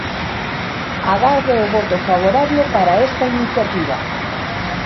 Agardo o voto favorable para esta iniciativa.